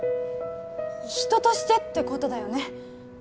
人としてってことだよね？